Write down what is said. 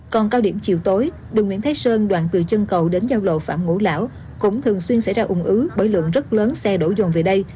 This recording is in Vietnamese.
còn cao điểm chiều tối đường nguyễn thái sơn đoạn từ chân cầu đến giao lộ phạm ngũ lão cũng thường xuyên xảy ra ủng ứ bởi lượng rất lớn xe đổ dồn về đây